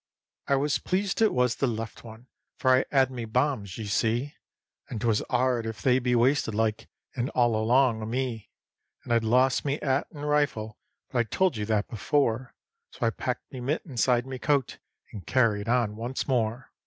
I was pleased it was the left one, for I 'ad me bombs, ye see, And 'twas 'ard if they'd be wasted like, and all along o' me. And I'd lost me 'at and rifle but I told you that before, So I packed me mit inside me coat and "carried on" once more.